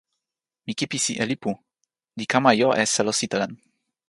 mi kipisi e lipu li kama jo e selo sitelen.